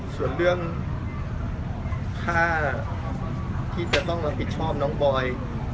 ส่วนเรื่องค่าที่จะต้องรับผิดชอบน้องบอย